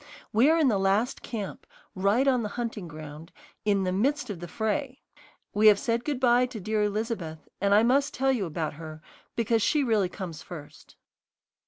We are in the last camp, right on the hunting ground, in the "midst of the fray." We have said good bye to dear Elizabeth, and I must tell you about her because she really comes first.